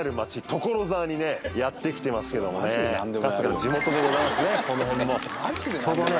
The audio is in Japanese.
所沢にねやってきてますけどもね春日の地元でございますね